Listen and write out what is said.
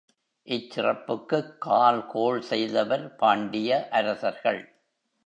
இச்சிறப்புக்குக் கால்கோள் செய்தவர் பாண்டிய அரசர்கள்.